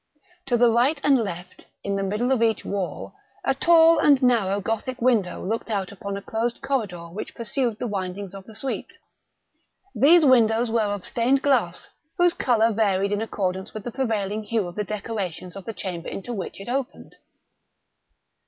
To the right and left, in the middle of each wall, a tall and narrow Gothic window looked out upon a closed corridor which pursued the windings of the suite. These windows were of stained glass whose color varied in accordance with the prevailing hue of the decorations of the chamber into which it opened.